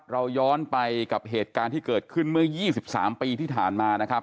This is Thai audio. เราย้อนไปกับเหตุการณ์ที่เกิดขึ้นเมื่อ๒๓ปีที่ผ่านมานะครับ